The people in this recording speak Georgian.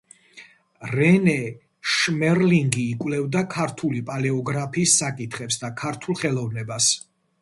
რენე შმერლინგი იკვლევდა ქართული პალეოგრაფიის საკითხებს და ქართულ ხელოვნებას.